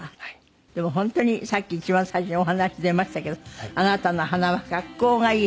でも本当にさっき一番最初にお話出ましたけどあなたの鼻は格好がいい。